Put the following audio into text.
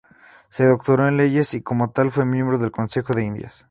Se doctoró en Leyes y como tal fue miembro del Consejo de Indias.